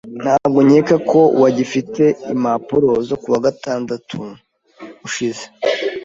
Ntabwo nkeka ko wagifite impapuro zo kuwa gatandatu ushize?